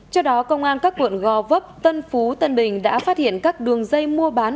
trước đó công an các quận gò vấp tân phú tân bình đã phát hiện các đường dây mua bán